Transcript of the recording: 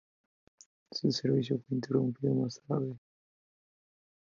Este servicio fue interrumpido más tarde.